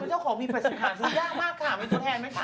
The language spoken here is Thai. คุณพ่อดำเป็นเจ้าของมี๘๐๐๐๐ซื้อยากมากค่ะมีตัวแทนไหมค่ะ